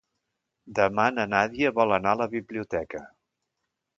Demà na Nàdia vol anar a la biblioteca.